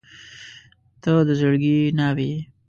• ته د زړګي ناوې یې.